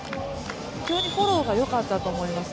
フォローがよかったと思います。